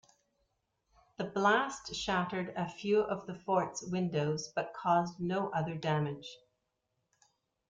The blast shattered a few of the fort's windows but caused no other damage.